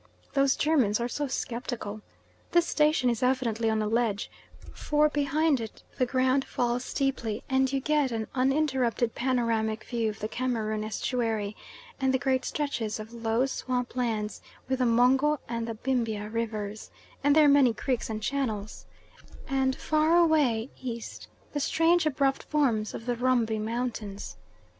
Those Germans are so sceptical. This station is evidently on a ledge, for behind it the ground falls steeply, and you get an uninterrupted panoramic view of the Cameroon estuary and the great stretches of low swamp lands with the Mungo and the Bimbia rivers, and their many creeks and channels, and far away east the strange abrupt forms of the Rumby Mountains.